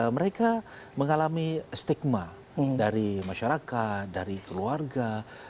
mereka mengalami stigma dari masyarakat dari keluarga